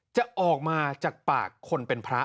จะออกมาจากปากคนเป็นพระ